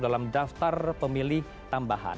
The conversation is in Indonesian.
dalam daftar pemilih tambahan